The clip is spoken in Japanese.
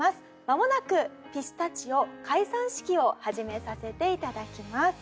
まもなくピスタチオ解散式を始めさせていただきます。